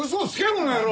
この野郎！